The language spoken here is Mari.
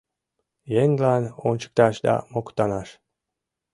Еҥлан ончыкташ да моктанаш.